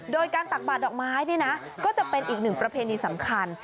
โดยการตักบาดดอกไม้นี่นะก็จะเป็นอีกหนึ่งประเพณีสำคัญ